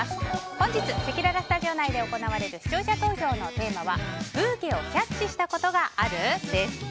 本日せきららスタジオ内で行われる視聴者投票のテーマはブーケをキャッチしたことがある？です。